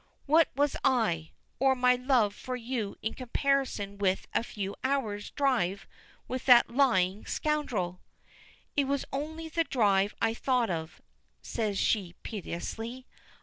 What was I or my love for you in comparison with a few hours' drive with that lying scoundrel?" "It was only the drive I thought of," says she piteously.